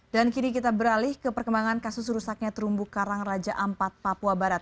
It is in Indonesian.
dan kini kita beralih ke perkembangan kasus rusaknya terumbu karang raja ampat papua barat